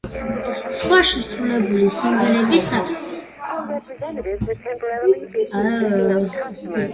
სხვა შესრულებული სიმღერების სია დრო და დრო იცვლებოდა.